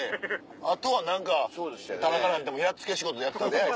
あとは何か田中なんてやっつけ仕事やったで。